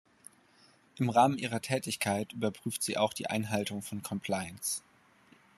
Im Rahmen ihrer Tätigkeit überprüft sie auch die Einhaltung von Compliance.